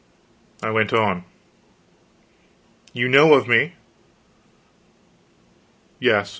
I went on "You know of me?" "Yes.